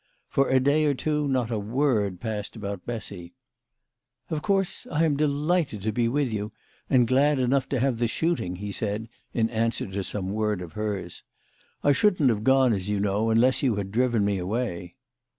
For a day or two not a word passed about Bessy. " Of course, I am delighted to be with you, and glad enough to have the shooting," he said, in answer to some word of hers. " I shouldn't have gone, as you know, unless you had driven me away."